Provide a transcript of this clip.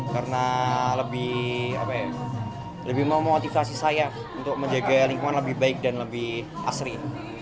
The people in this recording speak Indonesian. karena lebih memotivasi saya untuk menjaga lingkungan lebih baik dan lebih asri